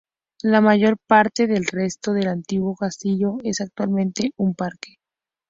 La mayor parte del resto del antiguo castillo es, actualmente, un parque.